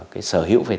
cái sở hữu về tài năng